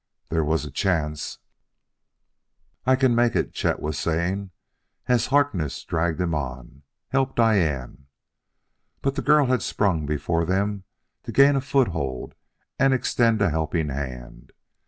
There was a chance "I can make it," Chet was saying, as Harkness dragged him on; "help Diane!" But the girl had sprung before them to gain a foothold and extend a helping hand.